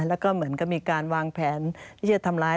แล้วก็เหมือนกับมีการวางแผนที่จะทำร้าย